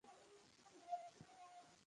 তোমার জন্য অনেক কিছু করতে পারি, উইল।